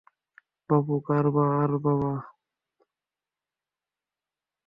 বাপু আর বাবা!